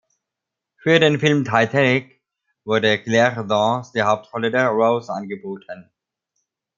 Für den Film "Titanic" wurde Claire Danes die Hauptrolle der Rose angeboten.